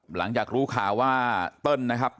หลังจากรู้ข่าวว่าเติ้ลนะครับ